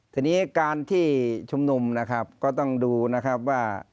ทีนี้การที่ชุมนุมนะครับก็ต้องดูนะครับว่า